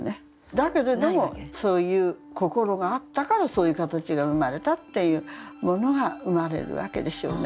だけれどもそういう心があったからそういう形が生まれたっていうものが生まれるわけでしょうね。